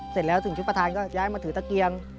เสร็จแล้วถึงชุดประธานก็ย้ายมาถือตะเกียง